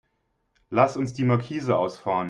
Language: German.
Lass uns die Markise ausfahren.